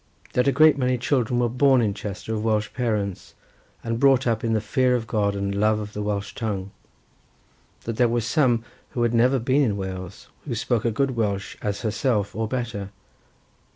That a great many children were born in Chester of Welsh parents, and brought up in the fear of God and love of the Welsh tongue. That there were some who had never been in Wales, who spoke as good Welsh as herself, or better.